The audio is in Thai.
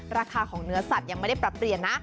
ราคาของเนื้อสัตว์ยังไม่ได้ปรับเปลี่ยนนะ